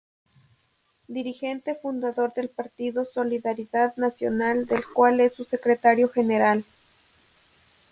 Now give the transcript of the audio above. Dirigente fundador del Partido Solidaridad Nacional, del cual es su Secretario General.